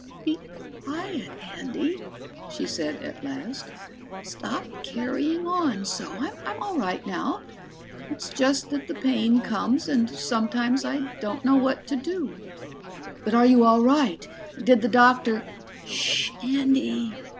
"Be quiet, Andy," she said at last. "Stop carrying on so. I'm all right now it's just that the pain comes and sometimes I don't know what to do." "But are you all right? Did the doctor ?" "Shhh, Andy.